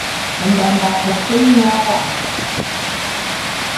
Mbamba’a e mos nya wom.